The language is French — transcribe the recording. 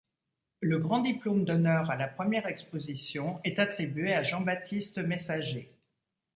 Le grand diplôme d'honneur à la première exposition est attribué à Jean-Baptiste Messager.